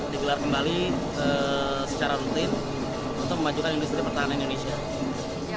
digelar kembali secara rutin untuk memajukan industri pertahanan indonesia